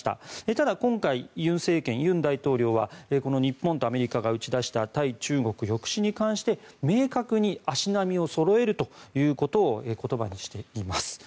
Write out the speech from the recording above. ただ、今回、尹錫悦大統領は日本とアメリカが打ち出した対中国抑止に関して明確に足並みをそろえることを言葉にしています。